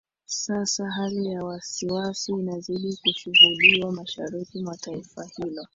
sasa hali ya wasiwasi inazidi kushuhudiwa mashariki mwa taifa hilo